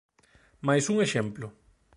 Máis un exemplo: